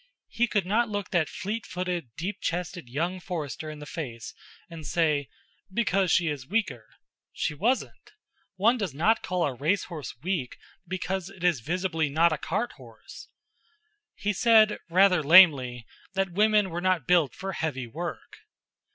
He could not look that fleet footed, deep chested young forester in the face and say, "Because she is weaker." She wasn't. One does not call a race horse weak because it is visibly not a cart horse. He said, rather lamely, that women were not built for heavy work.